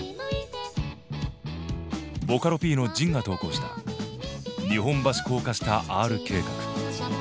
ボカロＰのじんが投稿した「日本橋高架下Ｒ計画」。